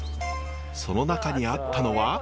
その中にあったのは。